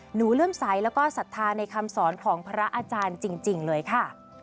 หนูเริ่มใสแล้วก็สัทธาในคำสอนของภรรยาอาจารย์จริงเลยค่ะ